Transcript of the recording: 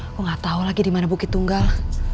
aku gak tau lagi dimana bukit tunggal